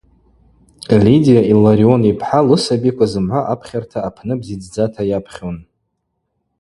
Лидия Илларион йпхӏа лысабиква зымгӏва апхьарта апны бзидздзата йапхьун.